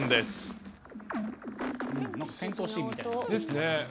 戦闘シーンみたいな。